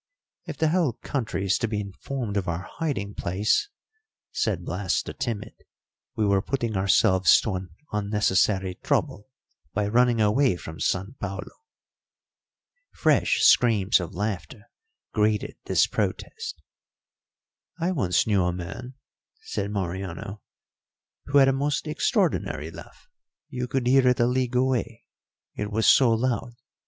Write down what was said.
"If the whole country is to be informed of our hiding place," said Blas the timid, "we were putting ourselves to an unnecessary trouble by running away from San Paulo." Fresh screams of laughter greeted this protest. "I once knew a man," said Mariano, "who had a most extraordinary laugh; you could hear it a league away, it was so loud.